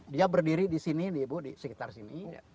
dia berdiri di sini di sekitar sini